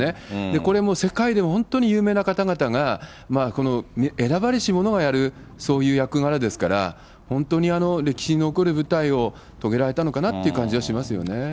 これも世界でも本当に有名な方々が、この選ばれし者がやる、そういう役柄ですから、本当に歴史に残る舞台を遂げられたのかなという感じはしますよね。